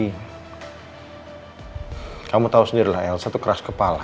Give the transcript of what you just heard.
hai kamu tahu sendiri satu keras kepala